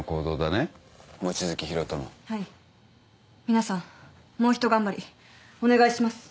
皆さんもうひと頑張りお願いします。